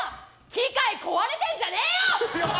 機械壊れてんじゃねえよ！